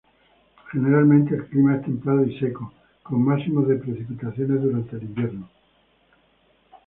Generalmente el clima es templado y seco, con máximos de precipitaciones durante el invierno.